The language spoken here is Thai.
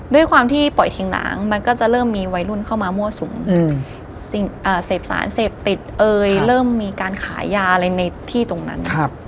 ด้วยความที่ปล่อยทิ้งหนามันก็จะเริ่มมีวัยรุ่นเข้ามามั่วสุมเสพสารเสพติดเริ่มมีการขายยาอะไรในที่ตรงนั้น